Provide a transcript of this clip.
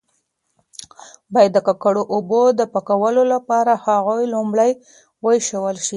باید د ککړو اوبو د پاکولو لپاره هغوی لومړی وایشول شي.